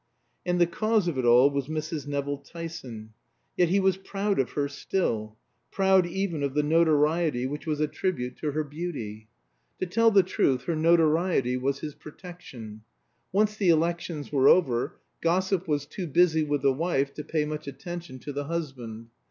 And the cause of it all was Mrs. Nevill Tyson. Yet he was proud of her still; proud even of the notoriety which was a tribute to her beauty. To tell the truth, her notoriety was his protection. Once the elections were over, gossip was too busy with the wife to pay much attention to the husband.